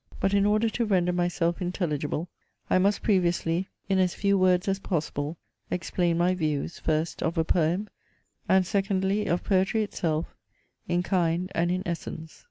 But in order to render myself intelligible I must previously, in as few words as possible, explain my views, first, of a Poem; and secondly, of Poetry itself, in kind, and in essence.